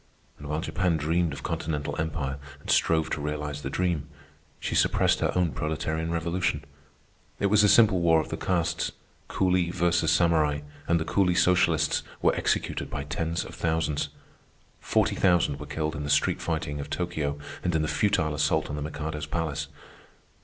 And while Japan dreamed of continental empire and strove to realize the dream, she suppressed her own proletarian revolution. It was a simple war of the castes, Coolie versus Samurai, and the coolie socialists were executed by tens of thousands. Forty thousand were killed in the street fighting of Tokio and in the futile assault on the Mikado's palace.